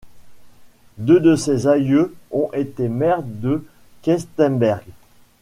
Deux de ses aïeux ont été maires de Questembert.